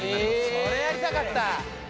それやりたかった。